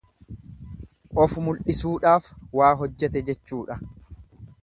Of mul'isuudhaaf waa hojjete jechuudha.